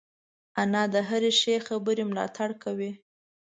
انا د هرې ښې خبرې ملاتړ کوي